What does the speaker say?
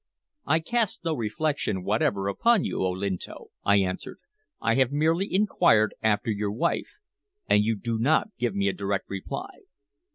"I cast no reflection whatever upon you, Olinto," I answered. "I have merely inquired after your wife, and you do not give me a direct reply."